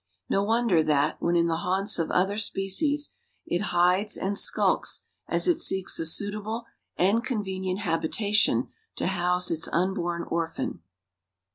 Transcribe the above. No wonder that, when in the haunts of other species, it hides and skulks as it seeks a suitable and convenient habitation to house its unborn orphan."